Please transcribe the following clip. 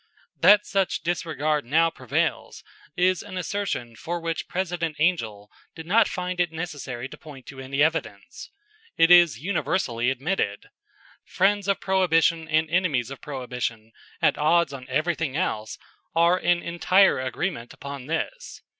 That such disregard now prevails is an assertion for which President Angell did not find it necessary to point to any evidence. It is universally admitted. Friends of Prohibition and enemies of Prohibition, at odds on everything else, are in entire agreement upon this.